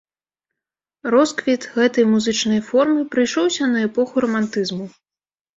Росквіт гэтай музычнай формы прыйшоўся на эпоху рамантызму.